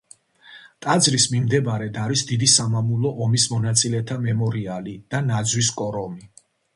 ტაძრის მიმდებარედ არის დიდი სამამულო ომის მონაწილეთა მემორიალი და ნაძვის კორომი.